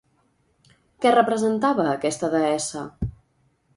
Què representava aquesta deessa?